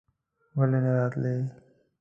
ولې نه راتلې?